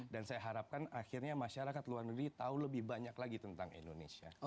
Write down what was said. dan saya harapkan akhirnya masyarakat luar negeri tahu lebih banyak lagi tentang indonesia